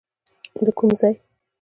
د کوم ځای؟